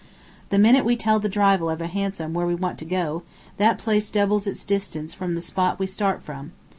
The minute we tell the driver of a hansom where we want to go, that place doubles its distance from the spot we start from.